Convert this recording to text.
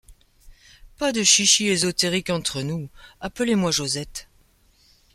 Pas de chichis ésotériques entre nous : appelez-moi Josette.